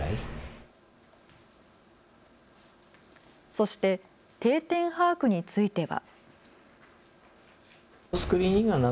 そして定点把握については。